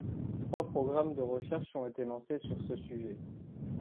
Trois programmes de recherche ont été lancés sur ce sujet.